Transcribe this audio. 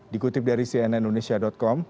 dikutip dari cnn indonesia com